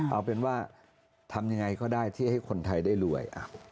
เอาเป็นว่าทำยังไงก็ได้ที่ให้คนไทยได้รวย